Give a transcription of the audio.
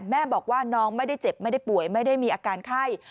แม่บอกว่าน้องไม่ได้เจ็บไม่ได้ป่วยไม่ได้มีอาการไข้